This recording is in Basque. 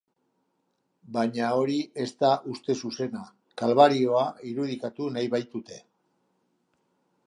Baina hori ez da uste zuzena, kalbarioa irudikatu nahi baitute.